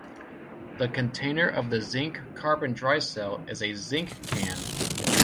The container of the zinc-carbon dry cell is a zinc can.